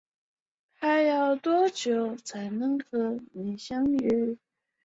萝岗车辆段是广州地铁六号线的车辆段。